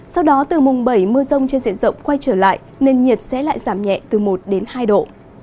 sau đó từ mùng bảy mưa rông trên diện rộng quay trở lại nền nhiệt sẽ lại giảm nhẹ từ một đến hai độ